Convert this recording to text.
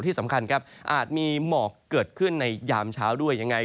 ที่สำคัญครับอาจมีหมอกเกิดขึ้นในยามเช้าด้วยยังไง